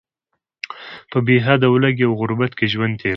په بې حده ولږې او غربت کې ژوند تیروي.